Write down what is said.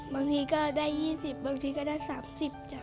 บางทีก็ได้๒๐บางทีก็ได้๓๐จ้ะ